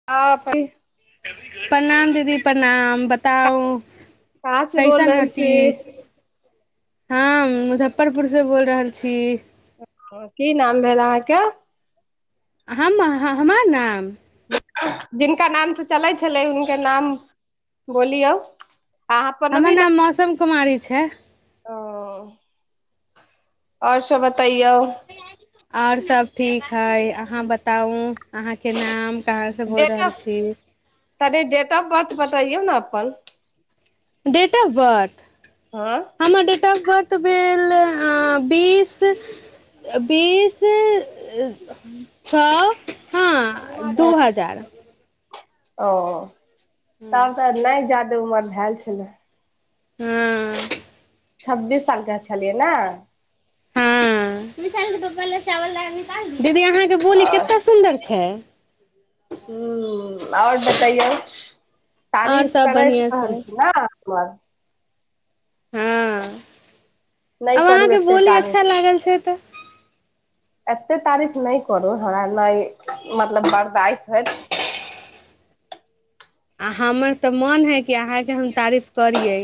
[unintelligible] प्रणाम दीदी प्रणाम। बताउ? से बोल कैसन रहल छी हती? हम मुजफ्फरपुर से बोयल रहल छी। कि नाम भेल अहाँके? हम हं-हमर नाम? जिनका नाम से चलै छलै, हिनके नाम बोलियौ? अहाँ अपन हमर नाम मौसम कुमारी छै। ओ और सब बतैयौ? और सब ठीक हइ। अहाँ बताउ, अहाँके नाम? कहाँसे बोयल रहल छी? अरे डेट ऑफ बर्थ बतैयौ ने अपन? Date of birth? हँ हमर डेट ऑफ बर्थ भेल हं बीस, बीस -अ- छो हँ, दू हजार। ओ तब त नै जादे उमर भैल छले। हँ छब्बीस सालके छलियै ने। हँ, [unintelligible] बोली आओर केते सुन्दर छै? हुं, और बतैयौ और तारीफ सब करय बढ़िआँ [unintelligible] छै रहलखिन न? [unintelligible] हँ नहि आब करू अहाँके एते बोली तारीफ। अच्छा लागल छै तऽ एते तारीफ नै करू। हमरा नै मतलब बरदाइश हैत। आ हमर त मन है कि अहाँके हम तारीफ करियै।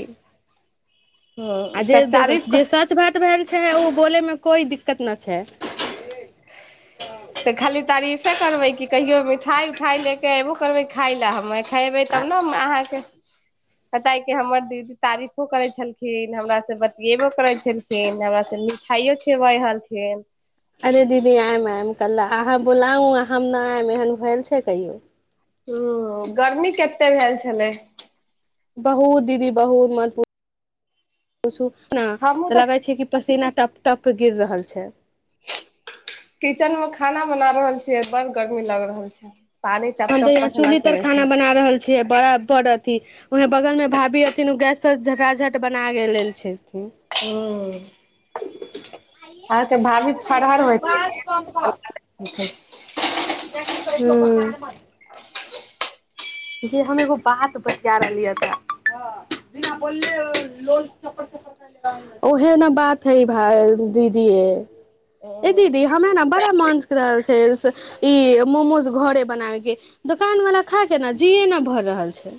आ ह जे तऽ देखु तारीफ जे सच भात भेल छै, ओ बोलै में कोई दिक्कत न छै। कि खाली तारीफे करबै की कहियो मिठाई उठाई ले के अइबो करबै खाइ ले। हमे खैबै आ तब ने हम अहाँके कताय कि हमर दीदी तारीफो करै छलखिन। हमरा से बतियैबो करै छल खिन, हमरा त मिठाइयो खिअबै हलथिन। अरे दीदी आयम आयम। कल् अहाँ बोलाउ हम नहि आयब एहन भेल छै कहियो? हूॅं गर्मी केते भेल छलै? बहुत दीदी बहुत मत पू छु न तऽ लगे छै कि पसीना टप-टप गिर रहल छै। किचन मे खाना बना रहल छियै बड गर्मी लग रहल छैय। पानी हम तऽ टप-टप यहाँ पसीना चूल्ही तर चुबै खाना छै। बना रहल छियै बराबर अथी उहे बगल मे भाभी हथिन उ गैस पर झटा झट बना गेल-लेल छथिन। हुं- अहांके भाभी फरहर होइथिन। [unintelligible] हूं गै हम एगो बात बतेय रहलियै तै, ह बिना बोलले लोल चप्पर चपर ओहे ने बात हइ भा दीदीऐ। ए दीदी हमे ने बड़ा मोन रहल छै, ई मोमोज घरे बनावे के दोकान वाल खा के जीए ने भरि रहल छै।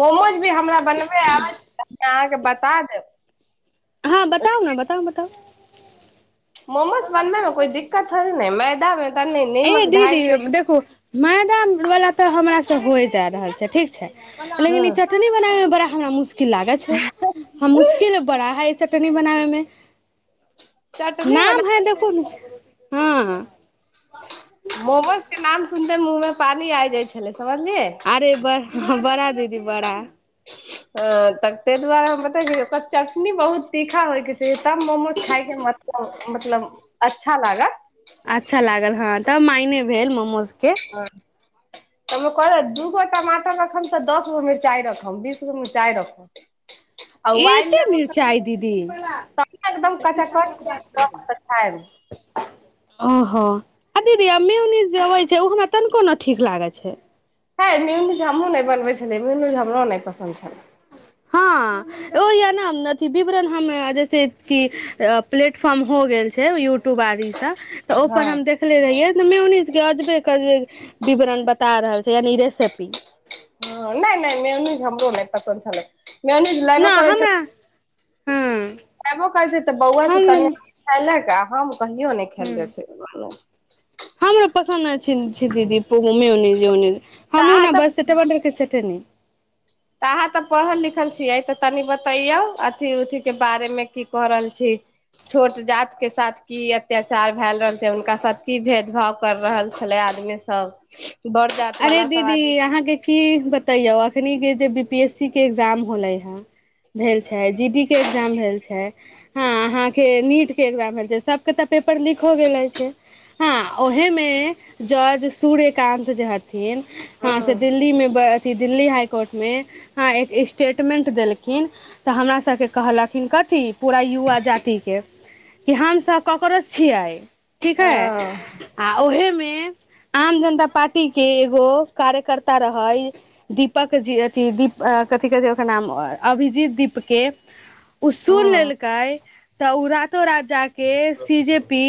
मोमोज भी हमरा बनबे आबै छै, अहाँके बता देब। हँ बताउ ने बताउ -बताउ मोमोज बनबै कोइ दिक्कत थोड़े नै होइ मैदामे ऐं दीदी देखू मैदा वाला तऽ हमरा से होय जा रहल छै, ठीक छै, लेकिन हँ ई चटनी बनाबै में बड़ा हमरा मुश्किल लागै छै, हम मुशकिल बड़ा है चटनी बनाबै मे, चटनी बना नाम है देखू हँ मोमोज के नाम सुनते मुँहमे पानी आइ जाइ छलै समझलियै। अरे बरा दीदी बरा ह त ताईह दुआरे हम बतबै छी ओकर चटनी बहुत तीखा होय के छै तब मोमोज खाय के मजा मतलब अच्छा लागत अच्छा लागल हँ, तब मायने भेल मोमोज के हँ कहलौं दू गो टमाटर रखबऽ दश गो मिर्चाइ रखब बीस गो मिरचाइ रखब आ उबालि एते लेब मिरचाइ दीदी [inaudible] तब एकदम कचाकच रहत तऽ खायब ओहो आ दीदी मोयोनीज जे होइ छै ओ हमरा तनिको ने ठीक लागै छै। हे मियोनीज हमहू नहि बनबै छलियै मियोनीज हमरो नहि पसन्द छलै। हँ ओ य न अथी विवरण हम जैसे की प्लेटफारम हो गेल छै यूट्यूब आर ई तऽ हँ ओहिपर हम देख देखले रहिये मोयोनीज के अजबे के अजबे विवरण बता रहल छै, यानि रेसिपी ह नय - नय मियोनीज हमरो नहि पसन्द छलै, मियोनीज लाइवो न करै छलियै, हमरा हँ एबो करै छै तऽ बौआ से तनि हमरा खेलक आ हमरा कहियो नहि खायल जाइ छै। ह हमरो पसन्द नै छै, दीदी मियोनीज इयोनीज हमहू अहाँ ने बस तऽ टमाटर के चटनी तऽ अहाँ तऽ पढ़ल लिखल छियै तऽ तनि बतैयौ अथी उथि के बारे मे की क रहल छी। छोट जाति के साथ की अत्याचार भए रहल छै, हुनका साथ की भेदभाव कर रहल छलै आदमी सब बर जाति अरे वाला सब आदमी दीदी अहाँके की बतैयो अखनि के जे बी पी एस सी के एग्जाम होलै हे, भेल छै जी डी के एग्जाम भेल छै। हँ अहाॅं के नीट के एग्जाम भेल सबके तऽ पेपर लिक हो गेल रहै छै। हँ ओहे मे जॉर्ज सूर्यकानंत जे ह ह से हूँ दिल्ली में बड अ दिल्ली हाइ कोर्टमे ह एक स्टेटमेंट देलखिन तऽ हमरासके कहलखिन कथी पूरा युवा जातिके कि हमसब कॉकरोच छियै ठीक है हँ आ ओहेमे आम जनता पार्टी के एगो कार्यकर्ता रहय दीपक जी अथि दीप कथि कहैत छैय ओकर नाम अभिजीत दीपके उ सुन हँ लेलकै त उ रातो रात जा के सी जे पी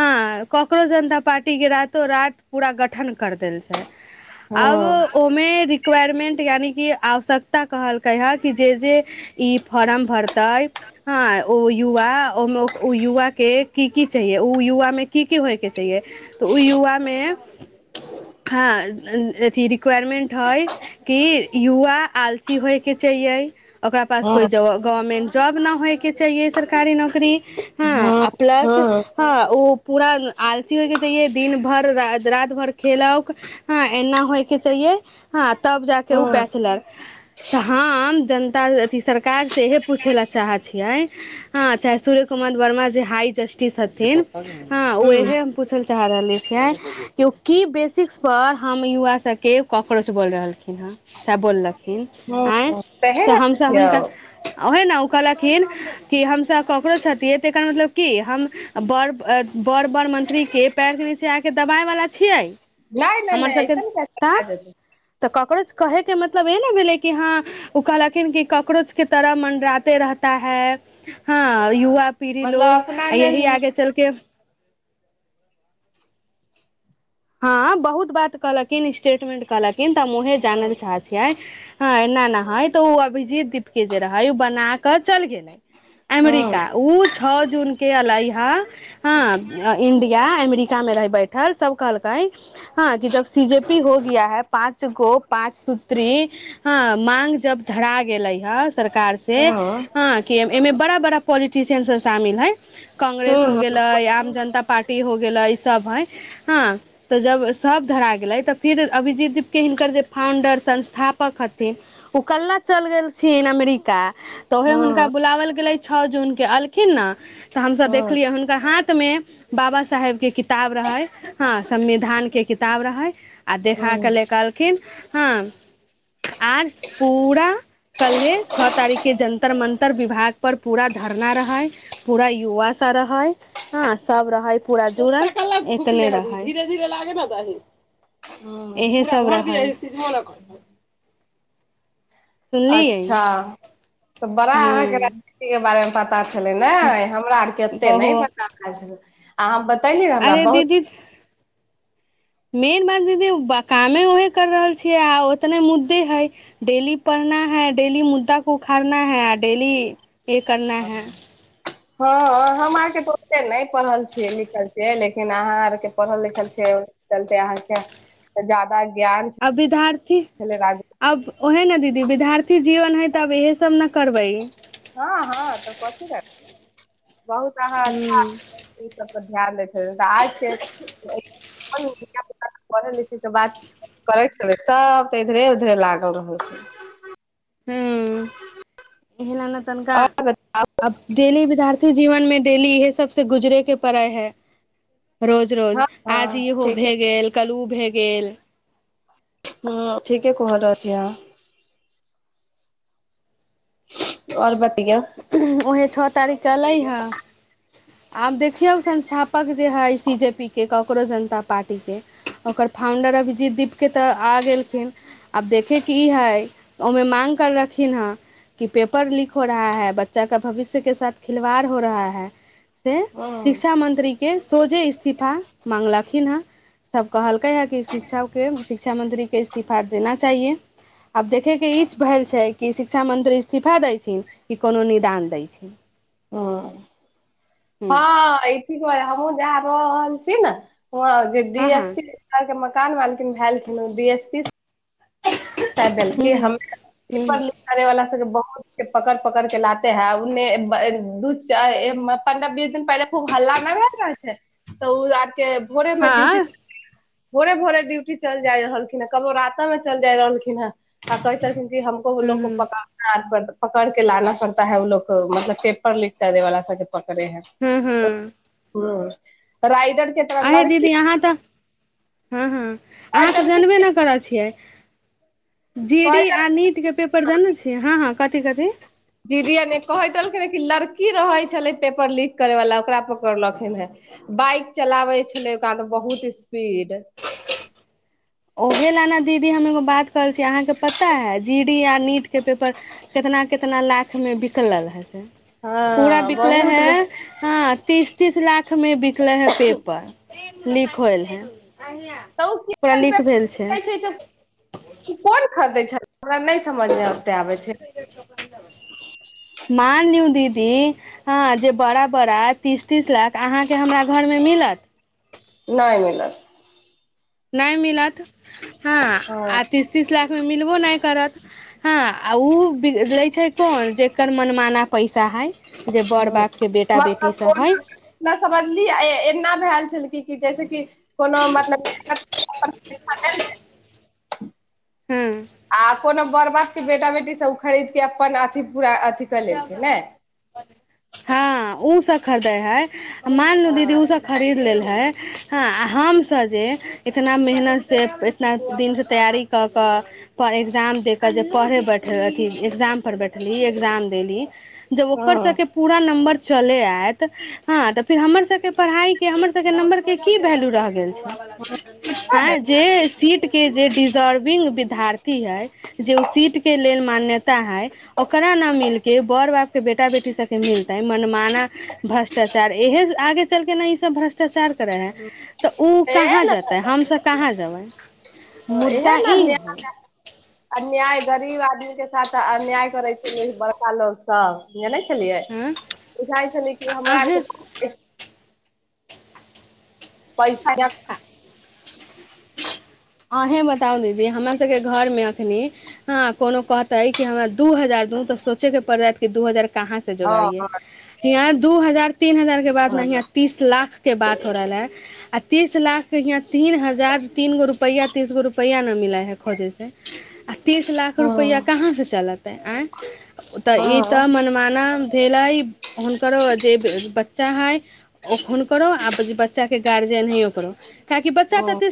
हँ का करोच जनता पार्टी के रातो राति पूरा गठन कर देल। अब हँ ओमे रिक्वायरमेन्ट यानि कि आवश्यकता कहलकै ह कि जे-जे इ फारम भरतैय हँ ओ युवा ओ---ओ युवाके की -की चाहिये ओ युवा मे की की होइके चाहिए त ओ युवामे हँ अथी रिक्वायरमेंट हइ कि युवा आलसी होइ के चाहियए ओकरा पास हँ कोइ ज गवर्नमेंट जॉब न होइके चाहियए सरकारी नौकरी हँ आ प्लस हँ उ पूरा आलसी होयके चाहियए दिन भर पूरा रात भर खेलाउक हँ एना होइ के चाहिए हँ तब जाके उ हँ बैचलर तऽ हम जन त अथी सरकारसे इहे पूछै लए चाहै छियै हँ चाहे सूर्य कुमद वर्मा जे हाई जस्टिस हथिन हँ ओ इहे हम पूछय लए चाह रहले छियै कि उ की बेसिक्स पर हम युवा सबके कॉकरोच बोल रहलखिन हँ सेह बोल ल। हँ आँय तेहे से ने हमसभ रखियौ हुनका ओहे ने ओ कहलखिन कि हमसभ ककरो हथिये त एकर मतलब की हम बड़ -बड़- बड़ मंत्रीके पैरके नीचे आ के दवाय वाला छियै। नइ-नइ- नइ ऐसन कैसे [unintelligible] त काॅकरोच कहयके मतलब इहे ने भेलै कि हँ उ कहलखिन कि काॅकरोचके तरह [unintelligible] हँ युवा पीढ़ी मतलब लोग अपना ने हूँ [unintelligible] हँ बहुत बात कहलखिन स्टेटमेंट कहलखिन त हम उहे जानय ल हूँ चाहइत हियै हँ एना एना हय त ओ अभिजित के जे रहैय उ बनाकऽ चल गेलय हूँ एमरीका उ छ जून के एलै हा हँ इण्डिया अमरीकामे रहै बैठल सब कहल हँ कि जब सी- जे -पी हो गया है पाँच गो पाँच सूत्री हँ माँग जब धरा गेलै ह सरकार से हूँ हँ अयमे बड़ा -बड़ा पाॅलिटिशियन सब शामिल हय कांग्रेस हो गेलय, आम जनता पार्टी हो गेलै सब हय हँ त जब सब धरा गेलै त फिर अभिजीत दीपके हिनकर जे फाउण्डर संस्थापक हथिन उ कल्ला चलि गेलखिन अमरिका त उहे हुनका हूँ बुलावल गेलेय छौ जून के एलखिन ने त हमसब हूँ देखलियै त हाथमे बाबा साहेबके किताब रहै हँ संविधानके किताब रहै आ देखा के हूँ ले कहलखिन हँ [unintelligible] पूरा कल्हे छ तारीखके जंतर मंतर विभाग पर पूरा धरना रहै पूरा युवा सब रहै हँ सब रहै पूरा जुड़ल एतने रहै। हूँ एही सब रहै। अच्छा त बड़ा अहाँके हँ राजनीतिके बारेमें पता पता छलै ने, हमरा आर के ओते नहि बहु पता छल, आ हम बतली अरे दीदी! मेन बात दीदी कामे ओहे कर रहल छियै अहाँ ओ इतने मुद्दे है डेली पढ़ना है डेली मुद्दा को उखड़ना है [inaudible] डेली ये करना हैं [inaudible] हँ, हम आरके तऽ ओतेक नहि पढ़ल छियै, लिखल छियै, लेकिन अहाँ आरके पढ़ल लिखल छियै। कहलके अहाँके ज्यादा ज्ञान आ विद्यार्थी छलै राज अब ओहे न दीदी, विद्यार्थी जीवन है तऽ अब इहे सब न करबै। हँ- हँ तऽ कथि ले, बहुत अहाँ अच्छा ओ सब पर ध्यान दै छथिन, तऽ आजके [unintelligible] पढ़े लिखे के बात करै छलै, सब तऽ इधरे -उधरे लागल रहल छै। हूँ, एन ने तनका आओर अब डेली विद्यार्थी जीवन में, डेली इहे सबसे गुजरे के पड़ै है, रोज रोज, हँ आज हँ इ ठीके भए गेल, कल उ भए गेल। ह ठीके कह रहल अछी अहां! आओर बतियो? उहे छओ तारीख के अलै हे। आब देखियौ संस्थापक जे हइ, सी जे पी के ककरो जनता पार्टीके। ओकर फाउंडर अभिजीत दीपके तऽ आ गेलखिन। आब देखेके ई है, ओमे मांग करलखिन ह, कि पेपर लीक हो रहा है। बच्चा का भविष्य के साथ खिलवाड़ हो रहा है, से हँ शिक्षा मंत्री के के सोझे इस्तीफा माँगलखिन हेँ। सभ कहलकै हे कि, शिक्षाके शिक्षा मंत्रीके इस्तीफा देना चाहिए। आब देखयके ई भेल छै कि, शिक्षा मंत्री इस्तीफा दैत छै, कि कोनो निदान दैत छै। हँ हँ, ईठिक ब जा र रहलल छी ने हँ हँ ह एस प हँ [unintelligible] हाय गे मकान मालकिन भेलखिन डी एस पी [unintelligible] कह देलकै, हँ हमे हूँ पेपर लिक करे वाला सबके बहुत के पकड़ पकड़ के लाते हैं, उन्ने दू पन्द्रह बीस दिन पहिले खूब हल्ला नहि भ रहल छै, तऽ ओ आर के भोरे मे ड्यूटी हँ भोरे -भोरे ड्यूटी चलि जाय रहलखिन ह, कबो रातो मे चलि जाय रहलखिन। ह, आ कै छलखिन कि हमको ओ हूँ लोग को हूँ पका हाथ पर पकड़ के लाना पड़ता है, ओ लोग को, मतलब पेपर लिक करें वाला सब पकड़े है, हूँ हूँ रायगढ़ के तरह अहे लड़की दीदी अहाँ तऽ, हँ -हँ अहाँ तऽ जनबे ने करै छियै। जी डी, आ नीट के पेपर जानै छियै, हँ -हँ कथि -कथि। जी डी अ नीक कहैत रहन कि, लड़की रहे छलै पेपर लीक करे वाला, ओकरा पकड़लथिन हे। बाइक चलाबै छलै, कहादन बहुत स्पीड। ओहे ल ने दीदी, हम एगो बात करे छिये, अहाँके पता है, जी डी, आ नीट के पेपर कितना- कितना लाखमे बिकलल हइ से। पूरा हँ बिकलै बहुत हैं। हँ, तीस- तीस लाख मे बिकले हे पेपर, लीक होइल है। तऽ कि [unintelligible] खेल छै। उ कोन खरदै छल, हमरा नहि समझमे ओते आबै छै। मान लिओ दीदी हँ जे बड़ा बड़ा तीस तीस लाख अहाँके हमरा घरमे मिलत नहि मिलत। नहि मिलत हँ तीस तीस लाखमे मिलबो नहि करत हँ आर उ लै छै कोन जकर मनमाना पैसा हइ। जे बड़ बापके बेटा बेटीस हइ। ना समझलियै एना भैल छलै कि जैसेकि कोनो मतलब [inaudible] हुं। आ कोनो बॅड़ बाप के बेटा बेटी सब ओ खरीद के अपन अथि पूरा अथि हां उ सब खरदै है मानलू दीदी हँ उसब खरीद लेल है हां आ हमसब जे इतना मेहनत से इतना दिन से तैयारी क कऽ पर एग्जाम दे जे पड़े बैठ अथी एक्जाम पर बैठली एक्जाम देली जब ओकर हँ सबके पुरा नम्बर चले आयत। हां तऽ फेर हमरसबके पड़हाइ के हमरसब के नम्बर के की वैल्यू रह गेल। आइ जे सीट के जे डीजर्विंग विधार्थी है जे ओ सीट के लेल मान्यता है ओकरा न मिल केे बड़ बापके बेटा बेटी सके मिलतै मनमाना भ्रष्टाचार इहे आगे चलके न इ सब भ्रष्टाचार [unintelligible] उ कहाँ जेतै हमस कहाँ जेबै। मुद्दा इहे ने इ अन्याय है। अन्याय गरीब आदमी के साथ अन्याय करै छै बड़का लोगस हँ जनै छलियै हँ बुझाइ छलिय कि हमरा आर अहें के पैसा [unintelligible] अहि बताउ दीदी हमरा सके घर में अखनी ह कोनो कह तैय हमरा दू हजार दु तऽ सोचेके पड़ जायत कि दू हजार कहासँ हँ जोगड़ियै। हींया दू हजार तीन हजार के बात न हँ हीया तीस लाख के बात हो रहल है आ तीस लाख के हिंया तीन हजार तीनगो रु पैया तीसगो रुपैआ ना मिलै है खोजै से आ तीस लाख रुपैया हँ कहाँ से चलत। आइ उतऽ इ तऽ मनमाना भेलय हुनकरो जे बच्चा है। हुनकरो आब बच्चा के गार्जियन है ओकरो कहाकि बच्चा त हँ ती